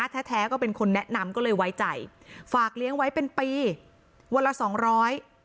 แท้แท้ก็เป็นคนแนะนำก็เลยไว้ใจฝากเลี้ยงไว้เป็นปีวันละสองร้อย